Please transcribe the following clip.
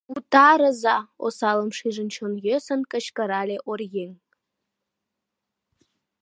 Утарыза!.. — осалым шижын, чон йӧсын кычкырале оръеҥ.